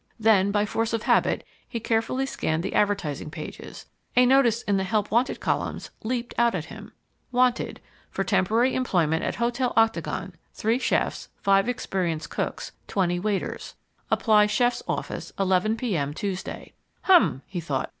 Then, by force of habit, he carefully scanned the advertising pages. A notice in the HELP WANTED columns leaped out at him. WANTED For temporary employment at Hotel Octagon, 3 chefs, 5 experienced cooks, 20 waiters. Apply chef's office, 11 P.M. Tuesday. "Hum," he thought.